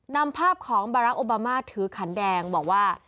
นำภาพของบารักษ์โอบามาถือขันแดงบอกว่า